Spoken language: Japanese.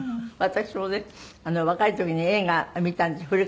私もね若い時に映画見たんです。